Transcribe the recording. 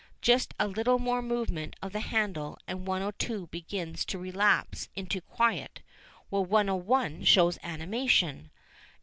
Just a little more movement of the handle, and 102 begins to relapse into quiet, while 101 shows animation.